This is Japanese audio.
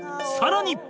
更に